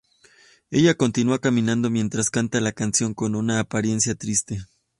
Ella continúa caminando mientras canta la canción con una apariencia triste.